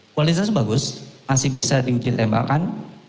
kualitasnya bagus masih bisa di uji tembakan